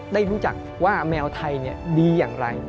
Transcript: ได้รู้จักว่าแมวไทยดีอย่างไร